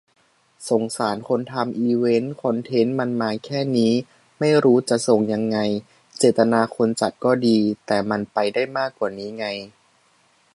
สงสารคนทำอีเวนต์ คอนเทนต์มันมาแค่นี้ ไม่รู้จะส่งยังไง เจตนาคนจัดก็ดี แต่มันไปได้มากกว่านี้ไง